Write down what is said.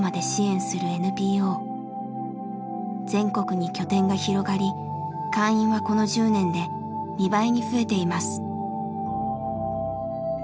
全国に拠点が広がり会員はこの１０年で２倍に増えています。